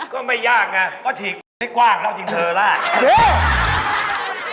ก็ไม่ยากไงก็ฉีกแผลให้กว้างแล้วเอาทิงเจอร์ราช